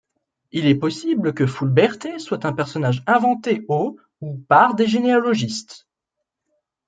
Il est possible que Fulberte soit un personnage inventé au ou par des généalogistes.